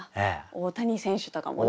大谷選手とかもね。